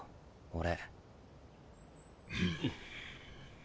俺。